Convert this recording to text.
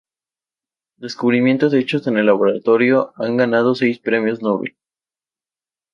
Descubrimientos hechos en el laboratorio han ganado seis Premios Nobel.